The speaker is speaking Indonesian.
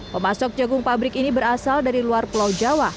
pemasok jagung pabrik ini berasal dari luar pulau jawa